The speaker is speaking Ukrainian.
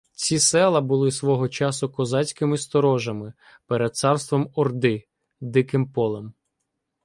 Ці села були свого часу козацькими сторожами перед царством орди — Диким полем